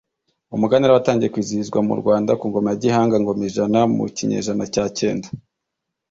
Umuganura watangiye kwizihizwa mu Rwanda ku ngoma ya Gihanga Ngomijana mu kinyejana cya cyenda.